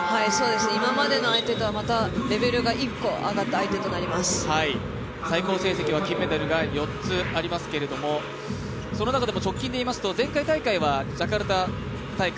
今までの相手とはまたレベルが１個上がった最高成績は金メダルが４つありますけれども、その中でも直近で言いますと、前回大会、ジャカルタ大会。